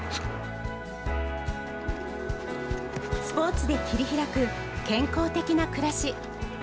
スポーツで切り開く健康的な暮らし！